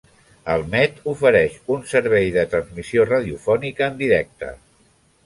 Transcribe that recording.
El Met ofereix un servei de transmissió radiofònica en directe.